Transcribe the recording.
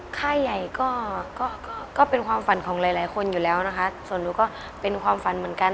ค่ายใหญ่ก็เป็นความฝันของหลายหลายคนอยู่แล้วนะคะส่วนหนูก็เป็นความฝันเหมือนกัน